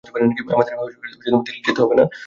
আমাদের দিল্লি যেতে হবে না?